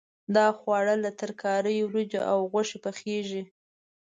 دا خواړه له ترکارۍ، وریجو او غوښې پخېږي.